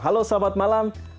halo selamat malam